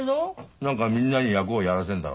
何かみんなに役をやらせるんだろ？